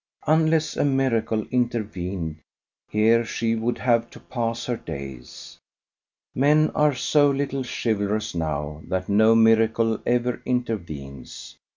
Unless a miracle intervened here she would have to pass her days. Men are so little chivalrous now that no miracle ever intervenes.